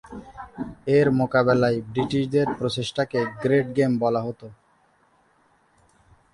এর মোকাবেলায় ব্রিটিশদের প্রচেষ্টাকে গ্রেট গেম বলা হত।